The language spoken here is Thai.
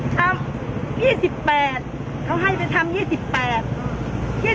ทำสิบแปดเขาให้ไปทำสิบแปดอืม